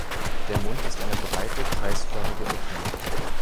Der Mund ist eine breite, kreisförmige Öffnung.